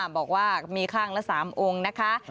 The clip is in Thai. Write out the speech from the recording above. บอกว่ามีข้างละ๓องค์นะคะ